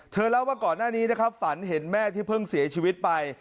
เล่าว่าก่อนหน้านี้นะครับฝันเห็นแม่ที่เพิ่งเสียชีวิตไป